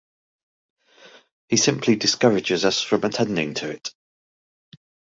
He simply discourages us from attending to it.